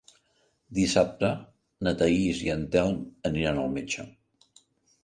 Dissabte na Thaís i en Telm aniran al metge.